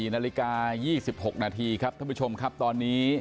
๔นาฬิกา๒๖นาทีครับท่านผู้ชมครับตอนนี้